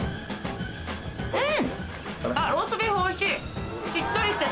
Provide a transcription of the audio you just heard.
うん！